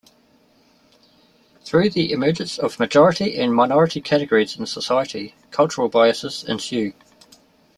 Through the emergence of majority and minority categories in society, cultural biases ensue.